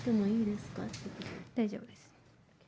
大丈夫です。